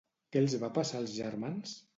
Què els va passar als germans?